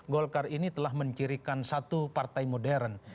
golkar ini telah mencirikan satu partai modern